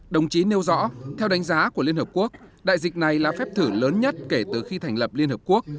đồng chí nêu rõ theo đánh giá của liên hợp quốc đại dịch này là phép thử lớn nhất kể từ khi thành lập liên hợp quốc